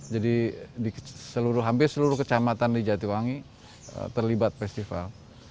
jadi di seluruh hampir seluruh kecamatan di jatiwangi terlibat festival